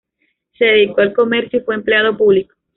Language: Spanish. Se dedicó al comercio y fue empleado público.